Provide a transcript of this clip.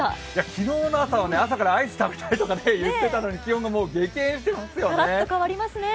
昨日の朝は、朝からアイス食べたいとか言ってたのに気温が激変していますよね。